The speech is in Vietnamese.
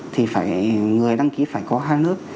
thì phải người đăng ký phải có hai lớp